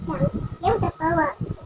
depankan dia aja dia udah bawa golong